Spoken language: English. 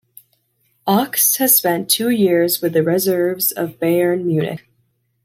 Ochs has spent two years with the reserves of Bayern Munich.